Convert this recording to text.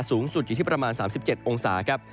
สูงสุดอยู่ที่ประมาณ๓๗องศาครับ